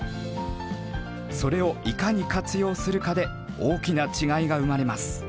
それをいかに活用するかで大きな違いが生まれます。